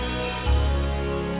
maafin aku pa